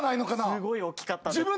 すごい大きかったんです。